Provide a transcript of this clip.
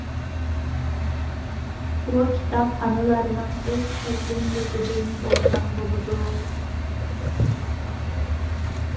بۇ كىتابخانلارنىڭ ئۆز چەكلىمىلىكىدىن بولغان بولىدۇ.